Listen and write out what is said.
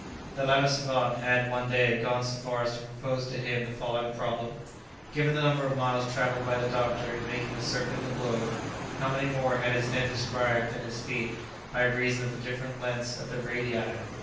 The latter savant had, one day, gone so far as to propose to him the following problem: Given the number of miles travelled by the doctor in making the circuit of the Globe, how many more had his head described than his feet, by reason of the different lengths of the radii?